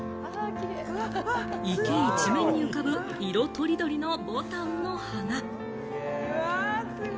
池一面に浮かぶ色とりどりの牡丹の花。